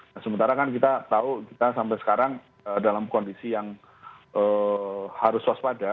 nah sementara kan kita tahu kita sampai sekarang dalam kondisi yang harus waspada